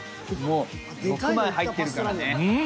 ６枚入ってるからね。